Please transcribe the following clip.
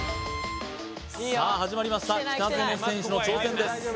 さあ始まりました北園選手の挑戦です